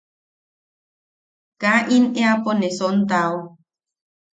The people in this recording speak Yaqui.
Kaa in eapo ne sontao.